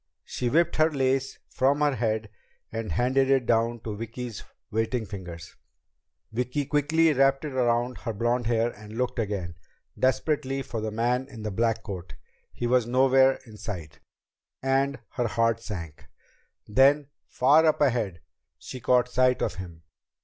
She whipped the lace from her head and handed it down to Vicki's waiting fingers. Vicki quickly wrapped it around her bright blond hair and looked again, desperately, for the man in the black cloak. He was nowhere in sight, and her heart sank. Then, far up ahead, she caught sight of him.